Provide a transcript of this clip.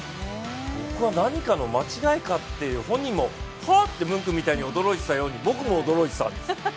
僕は何かの間違いかって、本人もハッてムンクみたいに驚いてたように僕も驚いてたんです。